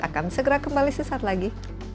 akan segera kembali sesaat lagi